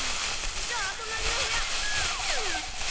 じゃあとなりの部屋。